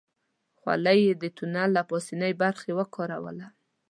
خولۍ يې د تونل له پاسنۍ برخې وکاروله.